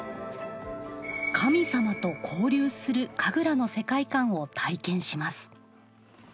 神様と交流する神楽の世界観を体験します。